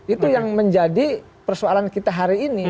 itu yang menjadi persoalan kita hari ini